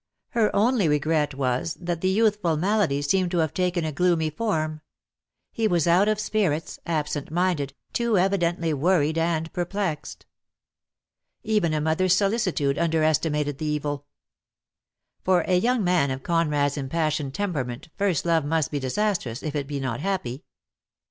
Her only regret was that the youthful malady seemed to have taken a gloomy form; he was out of spirits, absent minded, too evidently worried and perplexed. Even a mother's solicitude under estimated the evil. For a young man of Conrad's impassioned temperament first love must be disastrous if it be not happy.